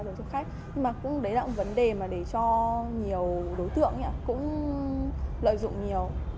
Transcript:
nhưng mà cũng đấy là một vấn đề mà để cho nhiều đối tượng cũng lợi dụng nhiều